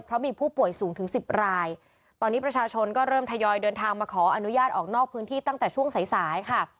เพราะมีผู้ป่วยสูงถึงสิบรายตอนนี้ประชาชนก็เริ่มทยอยเดินทางมาขออนุญาตออกนอกพื้นที่ตั้งแต่ช่วงสายสายค่ะ